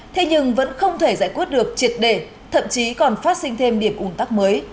thế nhưng vẫn không thể giải quyết được triệt để thậm chí còn phát sinh thêm điểm ủn tắc mới